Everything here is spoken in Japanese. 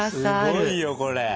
すごいよこれ。